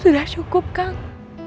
sudah cukup kang